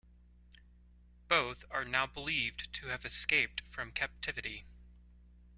Both are now believed to have escaped from captivity.